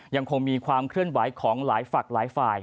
ยังคงมีความเคลื่อนไหวของหลายฝักหลายฝ่าย